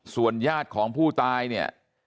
ส่วนญาติของผู้ตายเนี่ย